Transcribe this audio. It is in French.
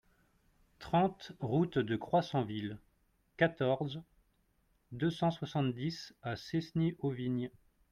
trente route de Croissanville, quatorze, deux cent soixante-dix à Cesny-aux-Vignes